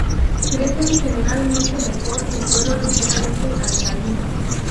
Crecen generalmente mejor en suelo ligeramente alcalino.